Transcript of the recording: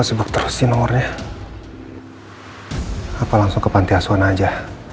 sekolah yang pintar ya